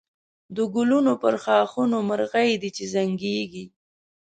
د گلونو پر ښاخونو مرغکۍ دی چی زنگېږی